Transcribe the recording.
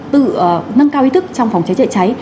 tự nâng cao ý thức trong phòng cháy chữa cháy